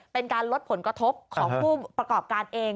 เป็นการลดผลกระทบของผู้ประกอบการเอง